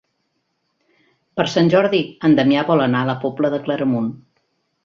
Per Sant Jordi en Damià vol anar a la Pobla de Claramunt.